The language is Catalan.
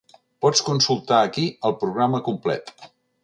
Pots consultar aquí el programa complet.